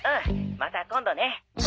また今度ね」